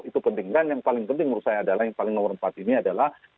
itu penting dan yang paling penting menurut saya adalah yang paling nomor empat ini adalah